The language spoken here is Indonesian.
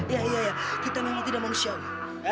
iya iya kita memang tidak manusiawi